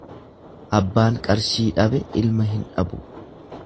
Abbaan qarshii dhabe ilma hin dhabu.